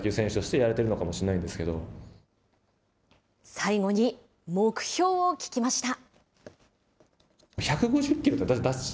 最後に目標を聞きました。